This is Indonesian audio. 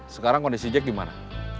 sekarang kondisi jack gimana